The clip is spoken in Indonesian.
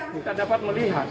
kita dapat melihat